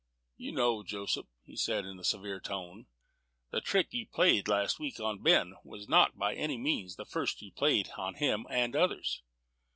"You know, Joseph," said he, in a severe tone, "that the trick you played last week on Ben was not by any means the first you've played on him and others.